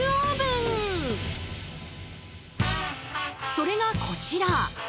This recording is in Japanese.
それがこちら！